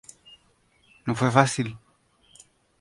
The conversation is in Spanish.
No fue fácil.